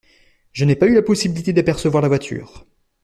Je n’ai pas eu la possibilité d’apercevoir la voiture.